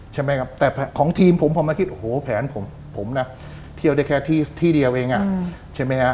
ใช่ไหมครับแต่ของทีมผมผมมาคิดโอ้โหแผนผมนะเที่ยวได้แค่ที่เดียวเองใช่ไหมฮะ